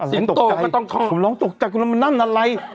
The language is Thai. สิงโตก็ต้องท้องอะไรตกใจผมลองตกใจมันนั่นอะไร